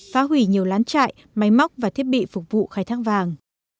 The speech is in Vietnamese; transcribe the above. phá hủy nhiều lán trại máy móc và thiết bị phục vụ khai thác vàng